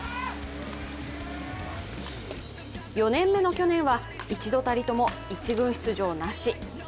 ４年目の去年は一度たりとも１軍出場なし。